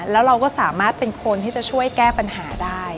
แล้วเราก็สามารถเป็นคนที่จะช่วยแก้ปัญหาได้